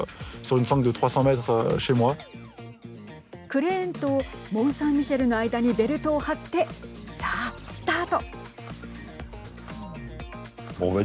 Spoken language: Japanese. クレーンとモンサンミシェルの間にベルトを張って、さあスタート。